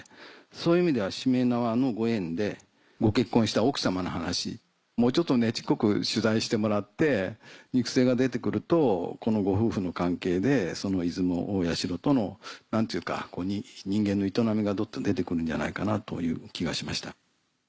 そういう意味ではしめ縄のご縁でご結婚した奥様の話もうちょっとネチっこく取材してもらって肉声が出て来るとこのご夫婦の関係でその出雲大社との人間の営みがどっと出て来るんじゃないかなという気がしました。